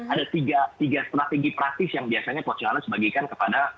ada tiga strategi praktis yang biasanya coach challenge bagikan kepada